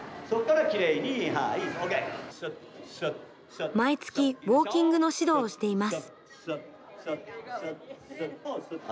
そこからきれいに、はい、毎月、ウォーキングの指導をしています。